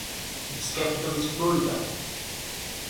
Its capital is Florida.